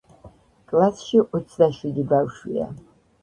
კლასში ოცდა შვიდი ბავშვიაა